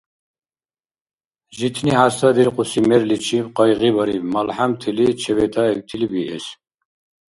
Житни хӀязтадиркьуси мерличиб къайгъибариб малхӀямтили чебетаибтили биэс.